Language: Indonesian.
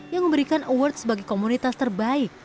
yang memberikan award sebagai komunitas terbaik